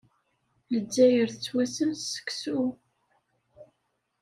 Lezzayer tettwassen s seksu.